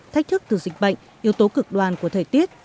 thách thức từ dịch bệnh yếu tố cực đoan của thời tiết